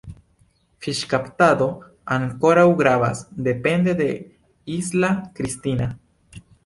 Fiŝkaptado ankoraŭ gravas, depende de Isla Cristina.